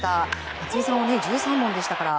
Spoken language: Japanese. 松井さんは１３本でしたから。